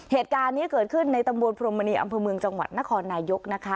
เหตุการณ์นี้เกิดขึ้นในตำบลพรมมณีอำเภอเมืองจังหวัดนครนายกนะคะ